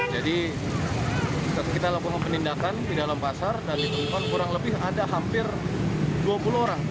jadi kita lakukan penindakan di dalam pasar dan di tempat kurang lebih ada hampir dua puluh orang